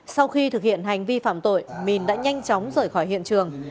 sau khi thực hiện hành vi phạm tội mình đã nhanh chóng rời khỏi hiện trường